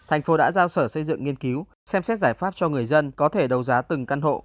thành phố đã giao sở xây dựng nghiên cứu xem xét giải pháp cho người dân có thể đấu giá từng căn hộ